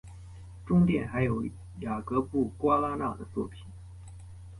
中殿还有雅格布瓜拉纳的作品。